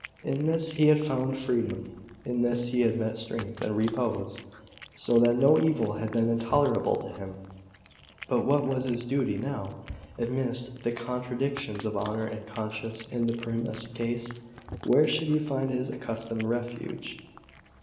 In this he had found freedom; in this he had met strength and repose, so that no evil had been intolerable to him. But what was his duty now? Amidst the contradictions of honour and conscience in the present case, where should he find his accustomed refuge?